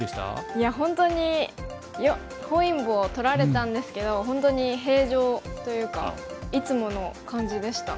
いや本当に本因坊取られたんですけど本当に平常というかいつもの感じでした。